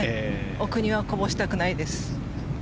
奥にはこぼしたくないです。